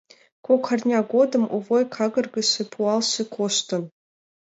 Кок арня годым Овой какаргыше, пуалше коштын...